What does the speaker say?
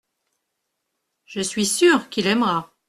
Je suis sûr qu’il aimera.